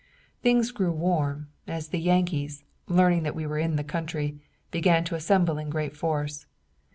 Things grew warm, as the Yankees, learning that we were in the country, began to assemble in great force.